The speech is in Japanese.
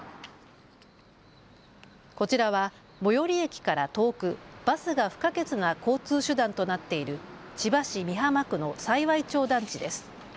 こちらは最寄り駅から遠くバスが不可欠な交通手段となっている千葉市美浜区の幸町団地です。